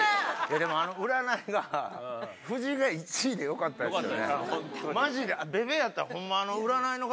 でもあの占いは、夫人が１位でよかったですよね。